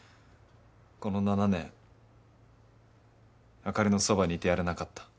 この７年あかりのそばにいてやれなかった。